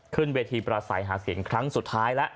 ขึ้นเวทีประสัยหาเสียงครั้งสุดท้ายแล้ว